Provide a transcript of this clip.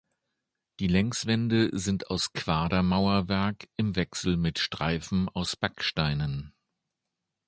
Die Längswände sind aus Quadermauerwerk im Wechsel mit Streifen aus Backsteinen.